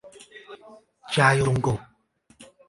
加入中共。